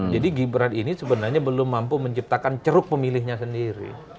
jadi gibran ini sebenarnya belum mampu menciptakan ceruk pemilihnya sendiri